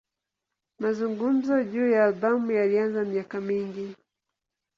Mazungumzo juu ya albamu yalianza miaka mingi.